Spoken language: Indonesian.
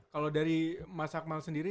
kalau dari mas akmal sendiri